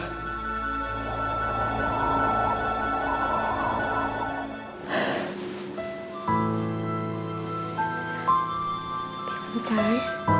พี่สนใจ